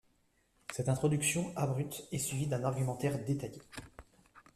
Cette introduction abrupte est suivie d'un argumentaire détaillé.